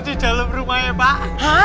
di dalam rumah ya pak